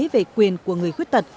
về quyền của người khuyết tật